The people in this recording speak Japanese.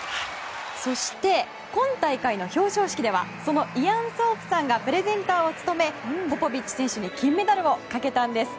そして今大会の表彰式ではイアン・ソープさんがプレゼンターを務めポポビッチ選手に金メダルをかけたんです。